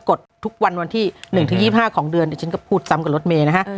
ดทุกวันวันที่๑๒๕ของเดือนเดี๋ยวฉันก็พูดซ้ำกับรถเมย์นะฮะ